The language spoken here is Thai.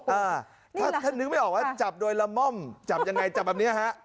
อ่าถ้าท่านนึกไม่ออกว่าจับโดยละม่อมจับยังไงจับแบบเนี้ยฮะ